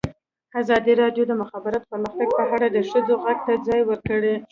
ازادي راډیو د د مخابراتو پرمختګ په اړه د ښځو غږ ته ځای ورکړی.